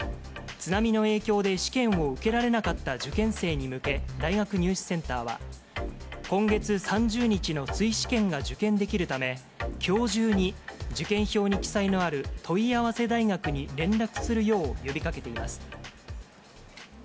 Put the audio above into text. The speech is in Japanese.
津波の影響で試験を受けられなかった受験生に向け、大学入試センターは、今月３０日の追試験が受験できるため、きょう中に受験票に記載のある問い合わせ大学に連絡するよう呼びかけています。